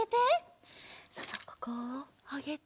そうそうここをあげて。